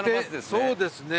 そうですね。